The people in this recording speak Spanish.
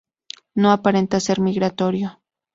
No aparenta ser migratorio.